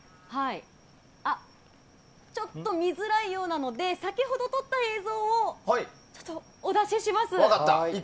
あ、ちょっと見づらいようなので先ほど撮った映像をお出しします。